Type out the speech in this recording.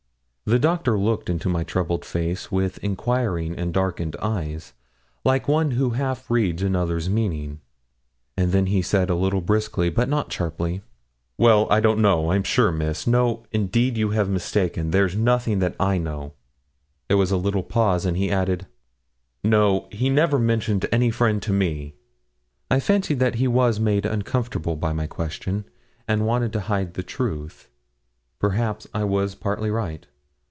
The Doctor looked into my troubled face with inquiring and darkened eyes, like one who half reads another's meaning; and then he said a little briskly, but not sharply 'Well, I don't know, I'm sure, Miss; no, indeed, you must have mistaken; there's nothing that I know.' There was a little pause, and he added 'No. He never mentioned any friend to me.' I fancied that he was made uncomfortable by my question, and wanted to hide the truth. Perhaps I was partly right.